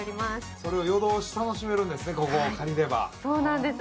それを夜通し楽しめるんですね、ここを借りれば。